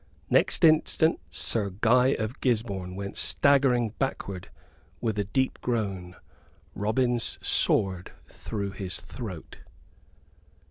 Next instant Sir Guy of Gisborne went staggering backward with a deep groan, Robin's sword through his throat.